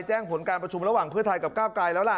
แจ้งผลการประชุมระหว่างเพื่อไทยกับก้าวไกลแล้วล่ะ